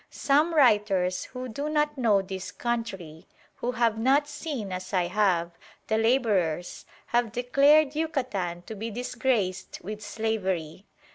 Some writers who do not know this country, who have not seen, as I have, the labourers, have declared Yucatan to be disgraced with slavery.